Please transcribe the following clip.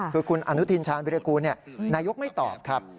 คือคุณอนุทินชาญวิรากูลนายกไม่ตอบครับ